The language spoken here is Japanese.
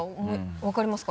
分かりますか？